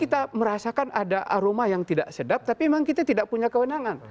kita merasakan ada aroma yang tidak sedap tapi memang kita tidak punya kewenangan